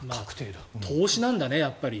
投資なんだね。